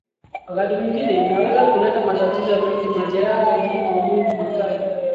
Wakati mwengine inaweza kuleta matatizo mengi majeraha zaidi na maumivu makali